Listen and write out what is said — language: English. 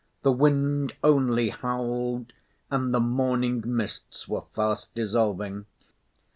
The wind only howled and the morning mists were fast dissolving.